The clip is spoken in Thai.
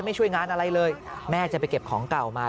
ช่วยงานอะไรเลยแม่จะไปเก็บของเก่ามา